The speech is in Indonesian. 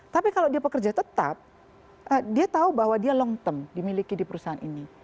tapi kalau dia pekerja tetap dia tahu bahwa dia long term dimiliki di perusahaan ini